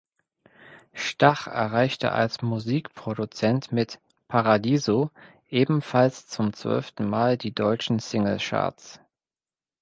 Stach erreichte als Musikproduzenten mit "Paradiso" ebenfalls zum zwölften Mal die deutschen Singlecharts.